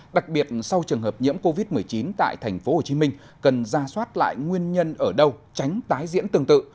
đặc biệt sau trường hợp nhiễm covid một mươi chín tại tp hcm cần ra soát lại nguyên nhân ở đâu tránh tái diễn tương tự